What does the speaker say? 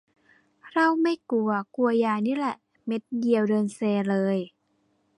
เหล้าไม่กลัว กลัวยานี่แหละ เม็ดเดียวเดินเซเลย